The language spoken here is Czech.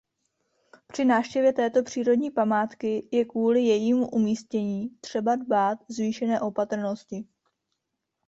Při návštěvě této přírodní památky je kvůli jejímu umístění třeba dbát zvýšené opatrnosti.